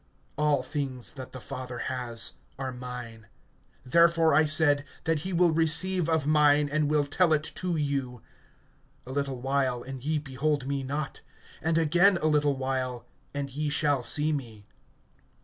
(15)All things that the Father has are mine. Therefore, I said, that he will receive of mine, and will tell it to you. (16)A little while, and ye behold me not; and again a little while, and ye shall see me.